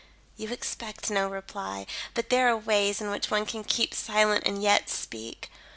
You expect no reply, but there are ways in which one can keep silent and yet speak.